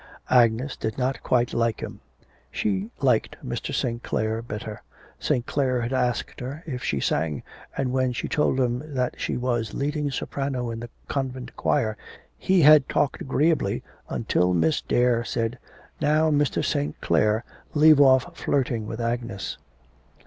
Agnes did not quite like him. She liked Mr. St. Clare better. St. Clare had asked her if she sang, and when she told him that she was leading soprano in the convent choir he had talked agreeably until Miss Dare said: 'Now, Mr. St. Clare, leave off flirting with Agnes.'